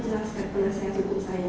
dari seorang penasehat hukum saya